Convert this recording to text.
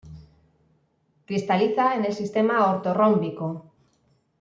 Cristaliza en el sistema ortorrómbico.